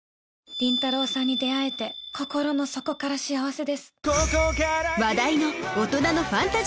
倫太郎さんに出会えて心の底から幸せです。